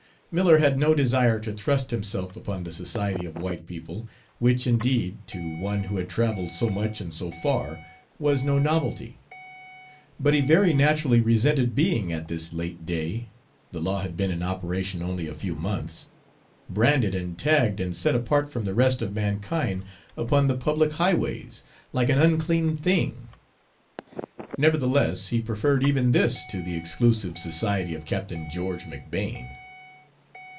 Miller had no desire to thrust himself upon the society of white people, which, indeed, to one who had traveled so much and so far, was no novelty; but he very naturally resented being at this late day the law had been in operation only a few months branded and tagged and set apart from the rest of mankind upon the public highways, like an unclean thing. Nevertheless, he preferred even this to the exclusive society of Captain George McBane.